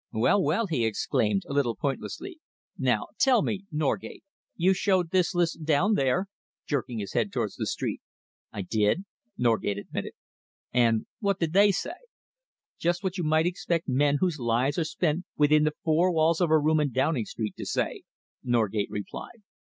"Well, well!" he exclaimed, a little pointlessly. "Now tell me, Norgate, you showed this list down there?" jerking his head towards the street. "I did," Norgate admitted. "And what did they say?" "Just what you might expect men whose lives are spent within the four walls of a room in Downing Street to say," Norgate replied.